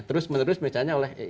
terus menerus misalnya oleh